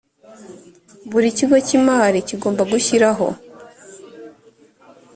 buri kigo cy imari kigomba gushyiraho